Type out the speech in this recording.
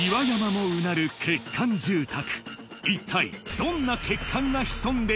もうなる欠陥住宅